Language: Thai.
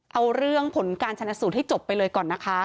เอาเรื่องผลการชนสูตรให้จบไปเลยก่อนนะคะ